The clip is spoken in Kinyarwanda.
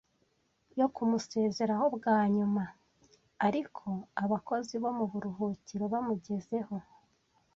yo kumusezeraho bwa nyuma ariko abakozi bo mu buruhukiro bamugezeho